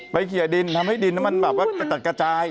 ไปเคลียร์ดินทำให้ดินมันแบบว่าจะตัดกระจาย